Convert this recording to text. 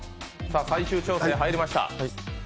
最終調整、入りました。